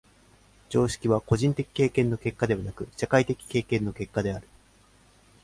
常識は個人的経験の結果でなく、社会的経験の結果である。